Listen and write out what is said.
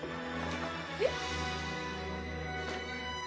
えっ？